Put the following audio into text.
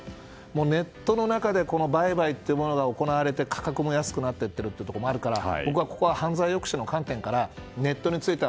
ネットの中で売買が行われて価格も安くなっていることもあるから僕はここは犯罪抑止の観点からネットについては。